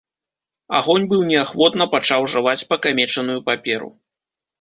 Агонь быў неахвотна пачаў жаваць пакамечаную паперу.